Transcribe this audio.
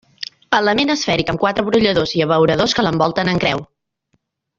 Element esfèric amb quatre brolladors i abeuradors que l'envolten en creu.